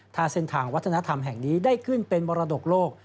ถ้าเส้นทางวัฒนธรรมแห่งนี้ได้ขึ้นเป็นมรดกโลก